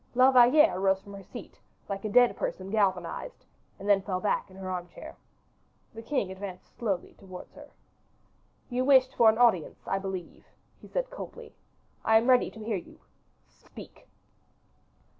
La Valliere rose from her seat, like a dead person galvanized, and then fell back in her armchair. The king advanced slowly towards her. "You wished for an audience, I believe," he said coldly. "I am ready to hear you. Speak."